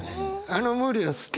あの「無理」は「好き」。